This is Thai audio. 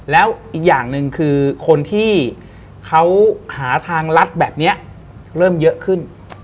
แล้วอีกอย่างหนึ่งคือคนที่เขาหาทางลัดแบบนี้เริ่มเยอะขึ้น